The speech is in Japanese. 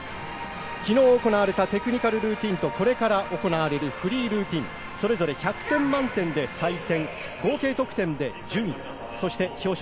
昨日行われたテクニカルルーティンとこれから行われるフリールーティン、それぞれ１００点満点で採点。